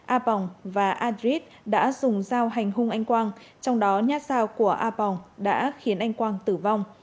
a pong và adrit đã dùng dao hành hung anh quang trong đó nhát dao của a pong đã khiến anh quang tử vong